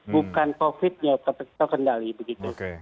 bukan covid nya terkendali